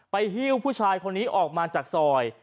หิ้วผู้ชายคนนี้ออกมาจากซอย